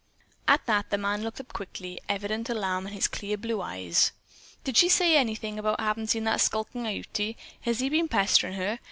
'" At that the man looked up quickly, evident alarm in his clear blue eyes. "Did she say anything about havin' seen that skulkin' Ute? Has he been pesterin' her?